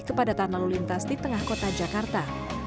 kepadatan lalu lintas di tengah kota jakarta